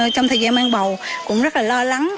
trong thời gian mang bầu cũng rất là lo lắng